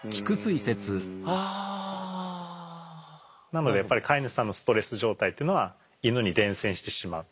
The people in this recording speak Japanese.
なのでやっぱり飼い主さんのストレス状態というのはイヌに伝染してしまう。